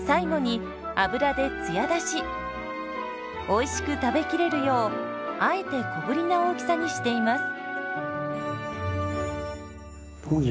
おいしく食べきれるようあえて小ぶりな大きさにしています。